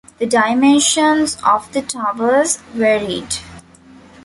The dimensions of the towers varied.